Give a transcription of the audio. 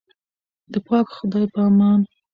د پاک خدای په امان.